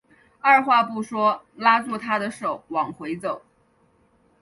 二话不说拉住她的手往回走